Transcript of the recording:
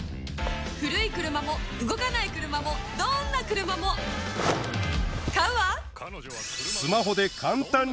古い車も動かない車もどんな車も買うわ！